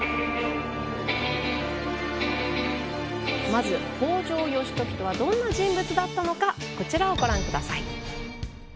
まず北条義時とはどんな人物だったのかこちらをご覧ください。